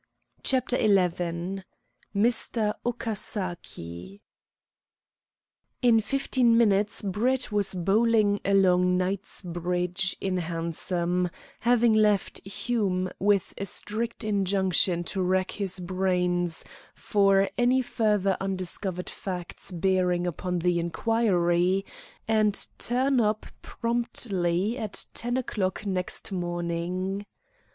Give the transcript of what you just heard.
CHAPTER XI MR. "OKASAKI" In fifteen minutes Brett was bowling along Knightsbridge in a hansom, having left Hume with a strict injunction to rack his brains for any further undiscovered facts bearing upon the inquiry, and turn up promptly at ten o'clock next morning.